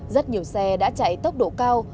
rất nhiều xe đã chạy tốc độ cao